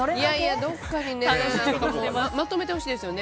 どこかにまとめてほしいですよね